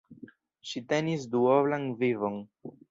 Ŝi tenis duoblan vivon.